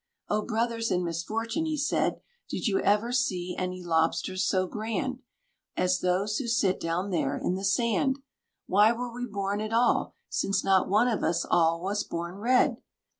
"Oh, Brothers in misfortune!" he said, "Did you ever see any lobsters so grand, As those who sit down there in the sand? Why were we born at all, since not one of us all was born red?"